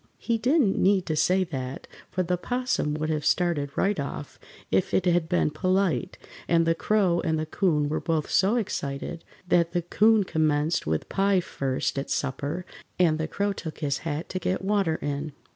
He didn't need to say that, for the 'Possum would have started right off if it had been polite, and the Crow and the 'Coon were both so excited that the 'Coon commenced with pie first at supper and the Crow took his hat to get water in.